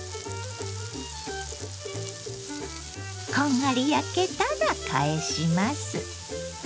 こんがり焼けたら返します。